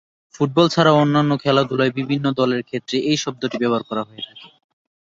Football ছাড়াও অন্যান্য খেলাধুলায় বিভিন্ন দলের ক্ষেত্রে এই শব্দটি ব্যবহার করা হয়ে থাকে।